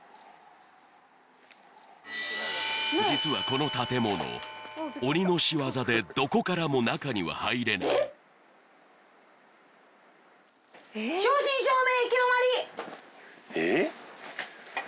実はこの建物鬼の仕業でどこからも中には入れないえっ！？